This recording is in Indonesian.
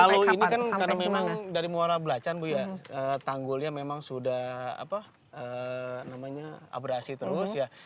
kalau ini kan karena memang dari muara belacan bu ya tanggulnya memang sudah abrasi terus ya